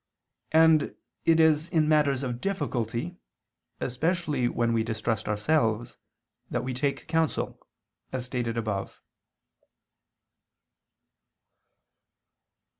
And it is in matters of difficulty, especially when we distrust ourselves, that we take counsel, as stated above.